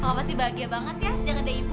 papa pasti bahagia banget ya sejak ada ibu